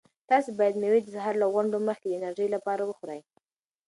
تاسو باید مېوې د سهار له غونډو مخکې د انرژۍ لپاره وخورئ.